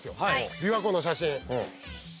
琵琶湖の写真。